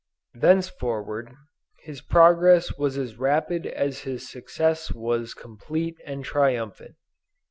Thenceforward his progress was as rapid as his success was complete and triumphant.